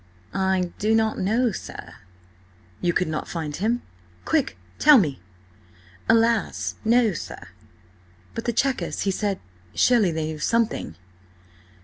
"I do not know, sir." "You could not find him? Quick! Tell me?" "Alas! no, sir." "But the Chequers–he said— Surely they knew something?"